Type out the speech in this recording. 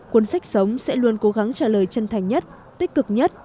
cuốn sách sống sẽ luôn cố gắng trả lời chân thành nhất tích cực nhất